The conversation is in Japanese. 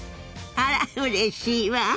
あらうれしいわ。